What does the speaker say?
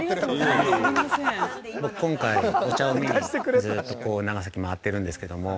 ◆今回、お茶を見に、ずっと長崎回ってるんですけども。